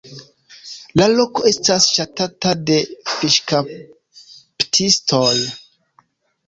La loko estas ŝatata de fiŝkaptistoj.